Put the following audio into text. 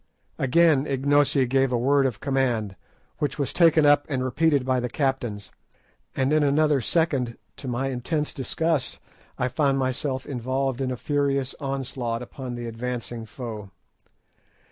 Again Ignosi gave a word of command, which was taken up and repeated by the captains, and in another second, to my intense disgust, I found myself involved in a furious onslaught upon the advancing foe.